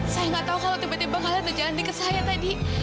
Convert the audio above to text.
saya ngga tau kalau tiba tiba ngalahin jalan dekat saya tadi